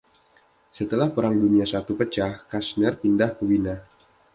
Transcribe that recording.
Setelah Perang Dunia I pecah, Kassner pindah ke Wina.